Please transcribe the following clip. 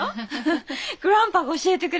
グランパが教えてくれたの。